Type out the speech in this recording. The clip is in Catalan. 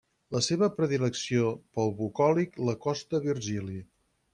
La seva predilecció pel bucòlic l'acosta a Virgili.